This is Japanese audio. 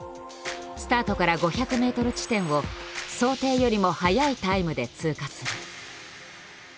スタートから５００ｍ地点を想定よりも速いタイムで通過する。